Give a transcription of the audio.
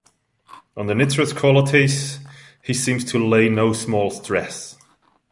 On the nitrous qualities he seems to lay no small stress.